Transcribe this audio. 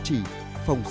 thành phố hà nội